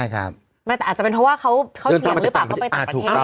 แต่อาจจะเป็นเพราะว่าเขาเสี่ยงหรือเปล่าเขาไปต่างประเทศ